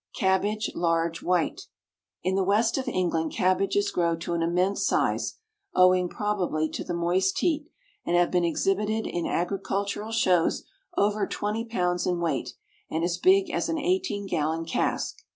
CABBAGE, LARGE WHITE. In the West of England cabbages grow to an immense size, owing, probably, to the moist heat, and have been exhibited in agricultural shows over twenty pounds in weight and as big as an eighteen gallon cask.